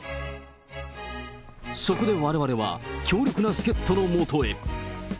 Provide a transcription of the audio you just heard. そこでわれわれは、強力な助っ人のもとへ。